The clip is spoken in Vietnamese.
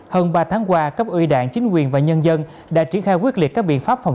hơn ba tháng qua các ưu đạn chính quyền và nhân dân đã triển khai quyết liệt các biện pháp phòng